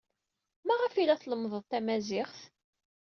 Maɣef ay la tlemmded tamaziɣt?